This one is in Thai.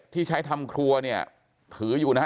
ที่ใช้ทำครัวเนี่ยถืออยู่นะฮะ